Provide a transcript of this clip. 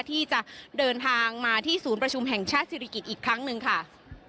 ที่จะเดินทางมาที่ศูนย์ประชุมแห่งชาติศิริกิจอีกครั้งหนึ่งค่ะ